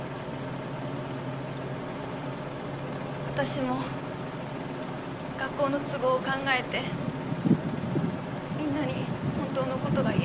私も学校の都合を考えてみんなに本当のことが言えなかった。